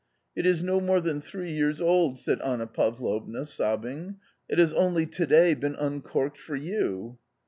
" It is no more than thr ee ee years old !" said Anna Pavlovna, sobbing, " it has — only to day — been uncorked for you.